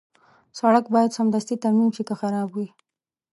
سړک باید سمدستي ترمیم شي که خراب وي.